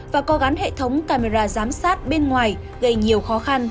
và có gắn hệ thống camera giám sát bên ngoài gây nhiều khó khăn